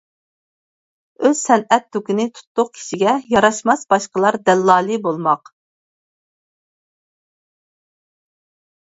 ئۆز سەنئەت دۇكىنى تۇتتۇق كىشىگە، ياراشماس باشقىلار دەللالى بولماق.